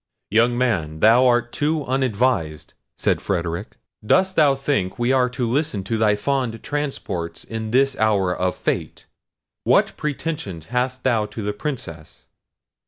"Young man, thou art too unadvised," said Frederic. "Dost thou think we are to listen to thy fond transports in this hour of fate? What pretensions hast thou to the Princess?"